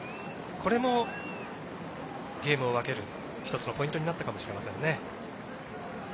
これもゲームを分ける１つのポイントになったかもしれませんね。